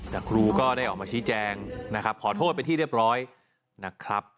แต่ครูก็ได้ออกมาชี้แจงนะครับขอโทษเป็นที่เรียบร้อยนะครับ